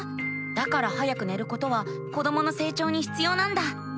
だから早く寝ることは子どもの成長にひつようなんだ。